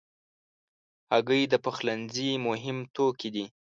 هګۍ د پخلنځي مهم توکي دي.